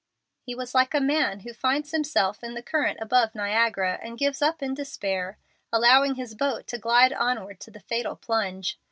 He was like a man who finds himself in the current above Niagara, and gives up in despair, allowing his boat to glide onward to the fatal plunge.